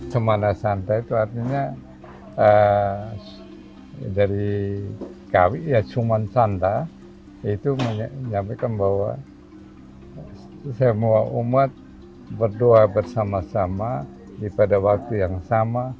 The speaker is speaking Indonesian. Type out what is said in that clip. semana santai itu artinya dari kami ya cuman santa itu menyampaikan bahwa semua umat berdoa bersama sama pada waktu yang sama